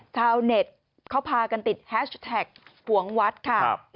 ชาวเน็ตเขาพากันติดแฮชแท็กหวงวัดค่ะ